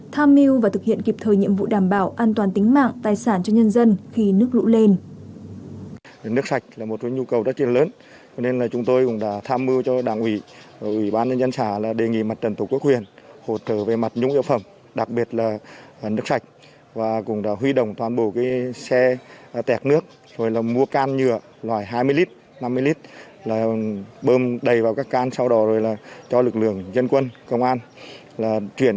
tham mưu và thực hiện kịp thời nhiệm vụ đảm bảo an toàn tính mạng tài sản cho nhân dân khi nước lũ lên